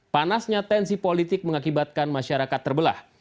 panasnya tensi politik mengakibatkan masyarakat terbelah